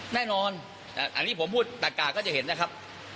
แน่นอนอันนี้ผมพูดตะกากก็จะเห็นนะครับ